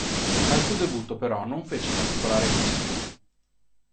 Al suo debutto però non fece particolare impressione.